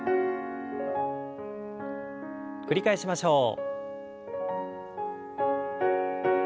繰り返しましょう。